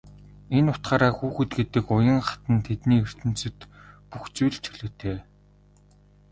Энэ утгаараа хүүхэд гэдэг уян хатан тэдний ертөнцөд бүх зүйл чөлөөтэй.